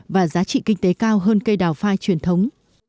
và giá trị kinh tế cao hơn cây đào phai truyền thống